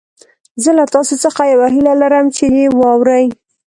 زه له تاسو څخه يوه هيله لرم چې يې واورئ.